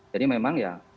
jadi memang ya